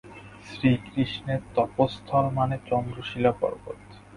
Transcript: শ্রীকৃষ্ণের তপোস্থল মানে চন্দ্রশিলা পর্বত।